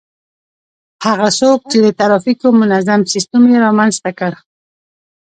هغه څوک چي د ترافیکو منظم سیستم يې رامنځته کړ